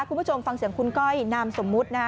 คุณผู้ชมฟังเสียงคุณก้อยนามสมมุตินะฮะ